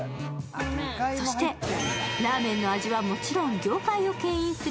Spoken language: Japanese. そしてラーメンの味はもちろん業界をけん引する